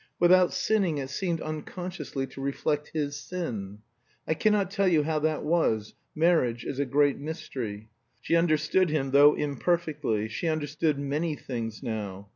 Without sinning it seemed unconsciously to reflect his sin. I can not tell you how that was; marriage is a great mystery. She understood him, though imperfectly; she understood many things now.